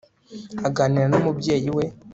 aganira n'umubyeyi we